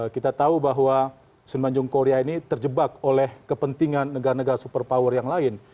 kita tahu bahwa semenjung korea ini terjebak oleh kepentingan negara negara super power yang lain